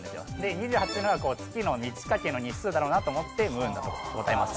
２８っていうのが月の満ち欠けの日数だろうなと思ってｍｏｏｎだと答えました